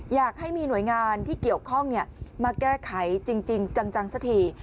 อยากให้มีหน่วยงานที่เกี่ยวข้องมาแก้ไขจริงจังสักที